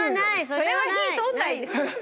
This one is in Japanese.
それは火通らないですよ。